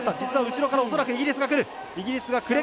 後ろから恐らくイギリスがくる。